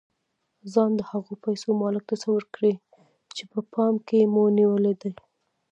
ځان د هغو پيسو مالک تصور کړئ چې په پام کې مو نيولې دي.